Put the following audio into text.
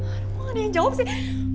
aduh ada yang jawab sih